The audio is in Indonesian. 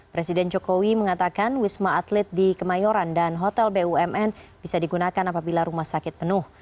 presiden jokowi mengatakan wisma atlet di kemayoran dan hotel bumn bisa digunakan apabila rumah sakit penuh